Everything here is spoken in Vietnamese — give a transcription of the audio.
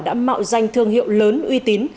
đã mạo danh thương hiệu lớn uy tín